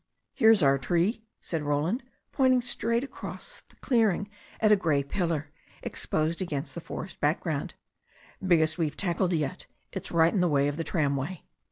"There's our tree," said Roland, pointing straight across the clearing at a grey pillar, exposed against the forest back ground. "Biggest we've tackled yet. It's right in the way of the tramway."